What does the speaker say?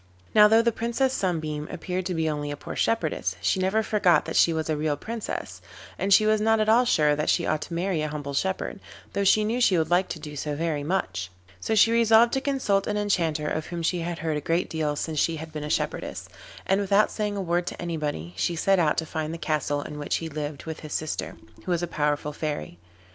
Now though the Princess Sunbeam appeared to be only a poor shepherdess, she never forgot that she was a real Princess, and she was not at all sure that she ought to marry a humble shepherd, though she knew she would like to do so very much. So she resolved to consult an Enchanter of whom she had heard a great deal since she had been a shepherdess, and without saying a word to anybody she set out to find the castle in which he lived with his sister, who was a powerful Fairy.